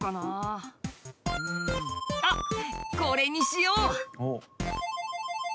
うんあっこれにしよう！